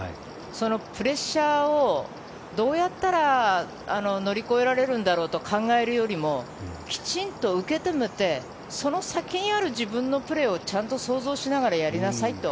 プレッシャーをどうやったら乗り越えられるんだろうと考えるよりもきちんと受け止めてその先にある自分のプレーを想像しながらちゃんとやりなさいと。